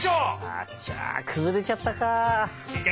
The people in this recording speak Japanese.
あちゃくずれちゃったか。